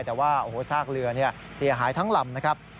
แต่ว่าโอ้โหซากเรือเสียหายทั้งลำนะครับ